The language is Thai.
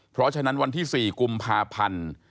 เพราะฉะนั้นวันที่๔กุมภาพันธ์